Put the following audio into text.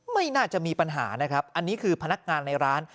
ไม่น่าจะมีปัญหานะครับอันนี้คือพนักงานในร้าน